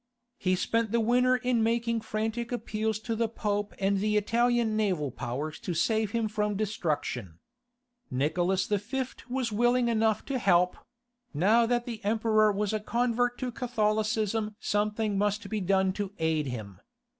He spent the winter in making frantic appeals to the Pope and the Italian naval powers to save him from destruction. Nicholas V. was willing enough to help; now that the Emperor was a convert to Catholicism something must be done to aid him.